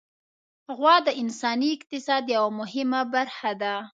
غوا د انساني اقتصاد یوه مهمه برخه ده.